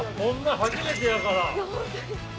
初めてやから。